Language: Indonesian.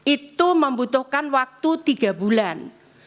itu membutuhkan waktu tiga bulan